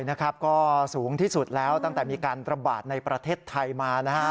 นะครับก็สูงที่สุดแล้วตั้งแต่มีการระบาดในประเทศไทยมานะฮะ